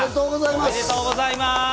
おめでとうございます！